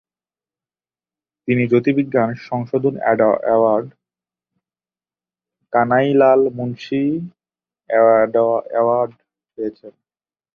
তিনি জ্যোতির্বিজ্ঞান সংশোধন award, Kanailal Munshi award পেয়েছেন।